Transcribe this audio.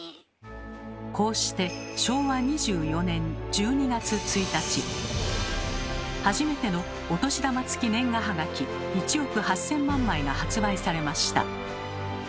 こうして昭和２４年１２月１日初めての「お年玉付き年賀はがき」１億８千万枚が発売されました。